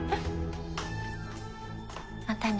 またね。